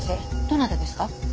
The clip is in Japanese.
どなたですか？